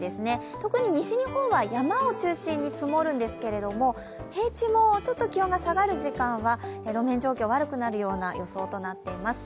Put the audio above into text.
特に西日本は山を中心に積もるんですけども、平地もちょっと気温が下がる時間帯は路面状況が悪くなる予想になっています。